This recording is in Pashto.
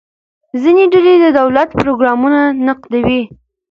ځینې ډلې د دولت پروګرامونه نقدوي.